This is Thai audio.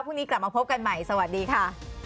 พรุ่งนี้กลับมาพบกันใหม่สวัสดีค่ะ